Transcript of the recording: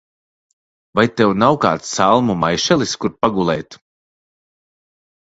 Vai tev nav kāds salmu maišelis, kur pagulēt?